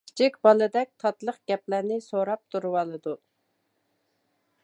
كىچىك بالىدەك تاتلىق گەپلەرنى سوراپ تۇرۇۋالىدۇ.